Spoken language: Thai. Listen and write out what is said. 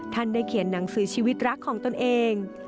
ท่านได้เขียนหนังสือชีวิตรักของตนเอง